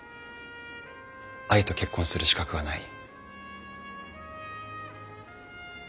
愛と結婚する資格がない。